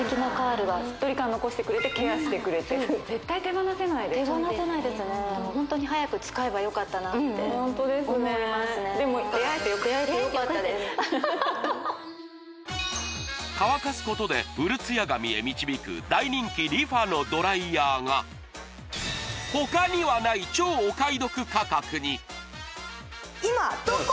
しっとり感残してくれてケアしてくれて絶対手放せないです・手放せないですねなって思いますね乾かすことでうるツヤ髪へ導く大人気ＲｅＦａのドライヤーが他にはない超お買い得価格におっ！